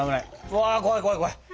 わ怖い怖い怖い。